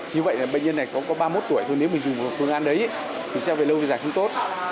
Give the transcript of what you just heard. như vậy là bệnh nhân này có ba mươi một tuổi thôi nếu mình dùng phương án đấy thì sao về lâu về dài không tốt